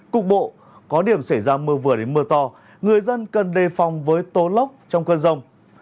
cục bộ có điểm xảy ra mưa vừa đến mưa to người dân cần đề phòng với tố lốc trong cơn rông